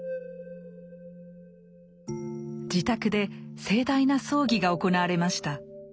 自宅で盛大な葬儀が行われました。